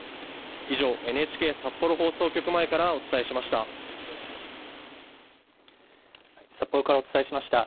以上、ＮＨＫ札幌放送局前からお伝えしました。